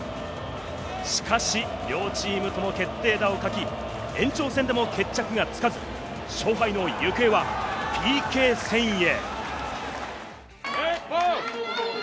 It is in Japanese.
しかし、両チームとも決定打を欠き、延長戦でも決着がつかず、勝敗の行方はＰＫ戦へ。